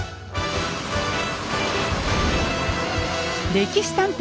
「歴史探偵」。